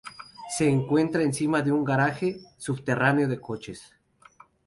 Se encuentra encima de un garaje subterráneo de coches.